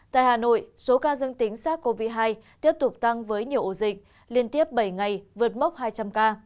tại hà nội số ca dương tính sars cov hai tiếp tục tăng với nhiều ổ dịch liên tiếp bảy ngày vượt mốc hai trăm linh ca